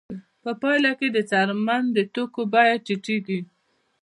په پایله کې د څرمن د توکو بیه ټیټېږي